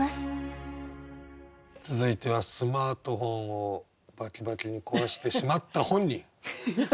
続いてはスマートフォンをバキバキに壊してしまった本人。